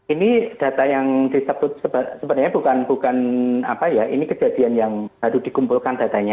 ini data yang disebut sebenarnya bukan apa ya ini kejadian yang baru dikumpulkan datanya